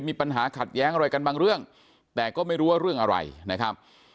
มีปัญหาขัดแย้งอะไรกันบางเรื่องแต่ก็ไม่รู้ว่าเรื่องอะไรนะครับ